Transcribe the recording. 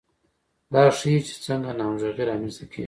دا ښيي چې څنګه ناهمغږي رامنځته کیږي.